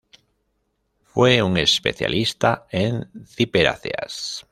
Fue un especialista en ciperáceas.